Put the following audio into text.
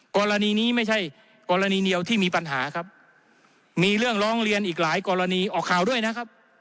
กรณีนี้ไม่ใช่กรณีเดียวที่มีปัญหาครับมีเรื่องร้องเรียนอีกหลายกรณีออกข่าวด้วยนะครับ